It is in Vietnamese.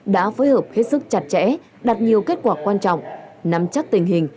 đã phối hợp hết sức chặt chẽ đạt nhiều kết quả quan trọng nắm chắc tình hình